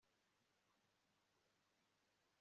nuko amaze kurenga amasitadi cyenda